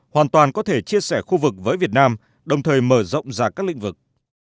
hoàn toàn có thể chia sẻ khu vực với việt nam đồng thời mở rộng ra các lĩnh vực